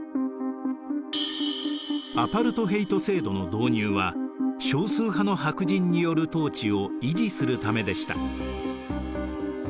アパルトヘイト制度の導入は少数派の白人による統治を維持するためでした。